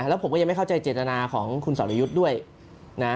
แล้วผมก็ยังไม่เข้าใจเจตนาของคุณสรยุทธ์ด้วยนะ